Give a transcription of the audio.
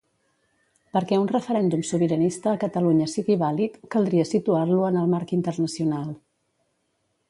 Perquè un referèndum sobiranista a Catalunya sigui vàlid, caldria situar-lo en el marc internacional.